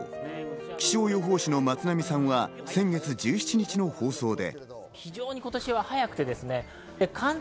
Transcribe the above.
気象予報士の松並さんは先月１７日の放送で。